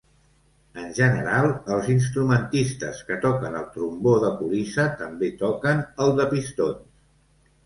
En general, els instrumentistes que toquen el trombó de colissa, també toquen el de pistons.